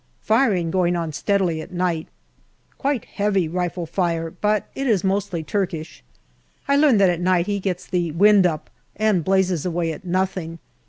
Firing going on steadily at night. Quite heavy rifle fire, but it is mostly Turkish. I learn that at night he gets the " wind up " and blazes away at nothing.